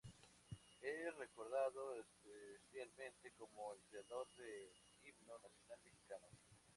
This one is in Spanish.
Es recordado especialmente como el creador del Himno Nacional Mexicano.